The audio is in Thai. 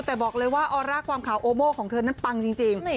แต่บอกเลยว่าออร่าความขาวโอโม่ของเธอนั้นปังจริง